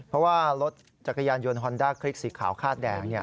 เพราะว่ารถจักรยานยนต์ฮอนด้าคลิกสีขาวคาดแดง